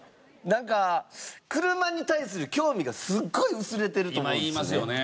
なんか車に対する興味がすごい薄れてると思うんですよね。